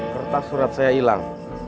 kertas surat saya hilang